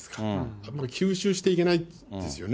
あんまり吸収していかないですよね。